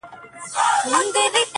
هغه وكړې سوگېرې پــه خـاموشـۍ كي؛